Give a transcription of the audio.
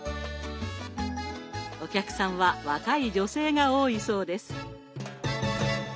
お客さんは若い女性が多いそうです。